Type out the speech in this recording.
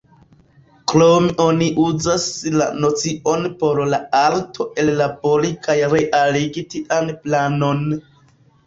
Krome oni uzas la nocion por la arto ellabori kaj realigi tian planon.